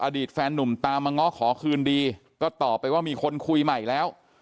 อดีตแฟนนุ่มตามมาง้อขอคืนดีก็ตอบไปว่ามีคนคุยใหม่แล้ว